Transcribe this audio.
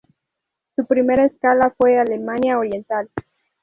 Su primera escala fue Alemania Oriental.